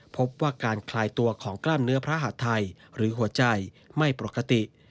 พบว่าการคลายตัวของกล้ามเนื้อพระหาดไทยหรือหัวใจไม่ปกติ